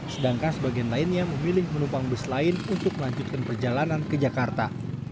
sedangkan sebagian lainnya memilih penumpang bus lain untuk melanjutkan perjalanan ke jakarta